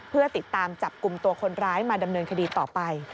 เพื่อติดตามจับกลุ่มตัวคนร้ายมาดำเนินคดีต่อไป